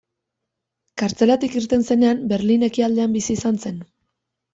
Kartzelatik irten zenean Berlin ekialdean bizi izan zen.